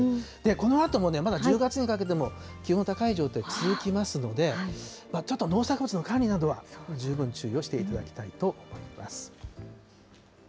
このあとも、まだ１０月にかけても気温の高い状態、続きますので、ちょっと農作物の管理などは十分注意をしていただきたいと思います。